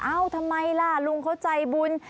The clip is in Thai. ทำไมล่ะลุงเขาใจบุญ